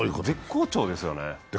絶好調ですよね。